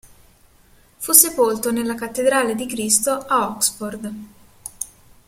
Fu sepolto nella Cattedrale di Cristo a Oxford.